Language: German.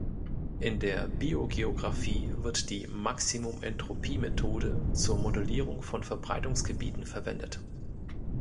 In der Biogeographie wird die Maximum-Entropie-Methode zur Modellierung von Verbreitungsgebieten verwendet.